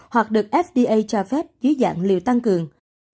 hoặc được fda cho phép dưới dạng liều tăng cường